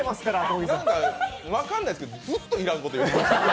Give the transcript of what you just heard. わかんないですけどずっといらんこと言ってましたね。